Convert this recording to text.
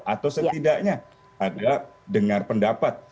atau setidaknya ada dengar pendapat